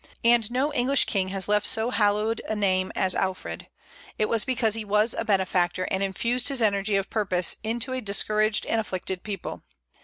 And no English king has left so hallowed a name as Alfred: it was because he was a benefactor, and infused his energy of purpose into a discouraged and afflicted people.